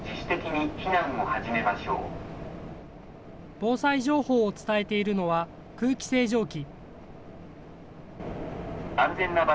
防災情報を伝えているのは、空気清浄機。